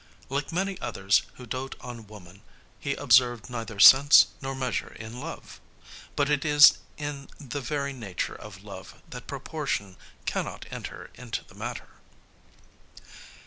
Like many others who dote on woman, he observed neither sense nor measure in love. But it is in the very nature of Love that proportion cannot enter into the matter.